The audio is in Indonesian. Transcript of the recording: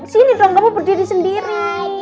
sini dong kamu berdiri sendiri